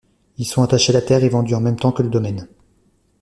Ils sont attachés à la terre et vendus en même temps que le domaine.